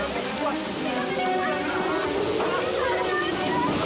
tolong dia kita ambil dia